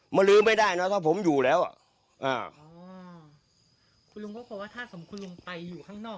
มาลื้อไม่ได้นะถ้าผมอยู่แล้วอ่าคุณลุงก็เพราะว่าถ้าสมควรไปอยู่ข้างนอก